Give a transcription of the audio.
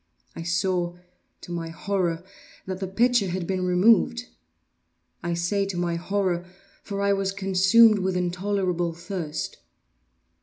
I saw, to my horror, that the pitcher had been removed. I say to my horror—for I was consumed with intolerable thirst.